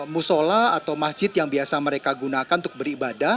musola atau masjid yang biasa mereka gunakan untuk beribadah